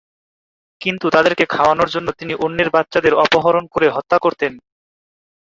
কিন্তু তাদেরকে খাওয়ানোর জন্য তিনি অন্যের বাচ্চাদের অপহরণ করে হত্যা করতেন।